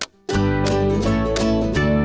ครูสดมากค่ะอร่อยมากเลย